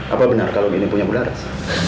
apa benar kalau ini punya bularas